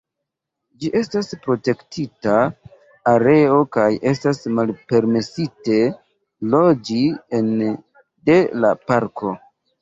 Ĝi estas protektita areo kaj estas malpermesite loĝi ene de la parko.